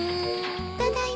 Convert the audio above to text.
ただいま。